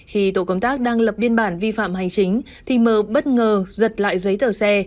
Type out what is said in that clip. khi tổ công tác đang lập biên bản vi phạm hành chính thì mờ bất ngờ giật lại giấy tờ xe